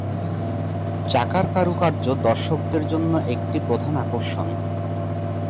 চাকার কারুকার্য দর্শকদের জন্য একটি প্রধান আকর্ষণ।